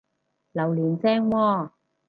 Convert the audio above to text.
榴槤正喎！